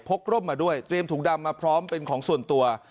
กร่มมาด้วยเตรียมถุงดำมาพร้อมเป็นของส่วนตัว